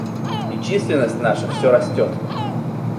И численность наша все растет.